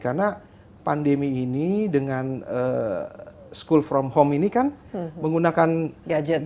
karena pandemi ini dengan school from home ini kan menggunakan gadget